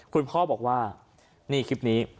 คุณพ่อบอกว่านี่คลิปนี้